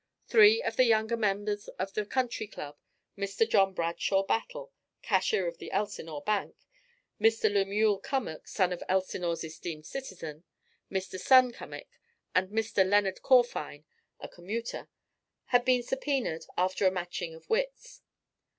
Three of the younger members of the Country Club, Mr. John Bradshaw Battle, cashier of the Elsinore Bank; Mr. Lemuel Cummack, son of Elsinore's esteemed citizen, Mr. Sam Cummack; and Mr. Leonard Corfine, a commuter, had been subpoenaed after a matching of wits.